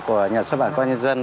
của nhà xuất bản công an nhân dân